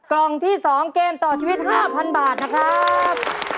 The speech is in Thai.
กล่องที่๒เกมต่อชีวิต๕๐๐๐บาทนะครับ